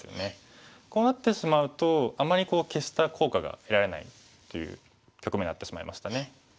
こうなってしまうとあまり消した効果が得られないという局面になってしまいましたね。